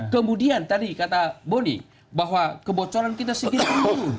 kemudian tadi kata boni bahwa kebocoran kita segini dulu